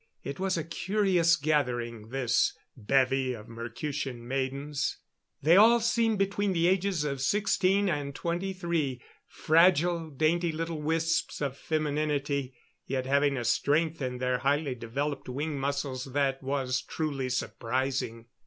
It was a curious gathering this bevy of Mercutian maidens. They all seemed between the ages of sixteen and twenty three fragile, dainty little wisps of femininity, yet having a strength in their highly developed wing muscles that was truly surprising.